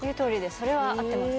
それは合ってます。